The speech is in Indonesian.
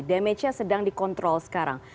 damagenya sedang dikontrol sekarang